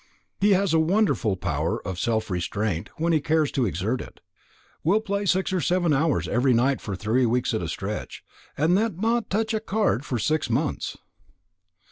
He has a wonderful power of self restraint when he cares to exert it; will play six or seven hours every night for three weeks at a stretch, and then not touch a card for six months.